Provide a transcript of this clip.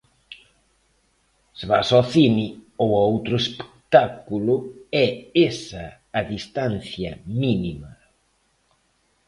Se vas ao cine ou a outro espectáculo é esa a distancia mínima.